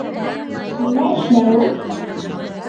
Нимә эшләй ул?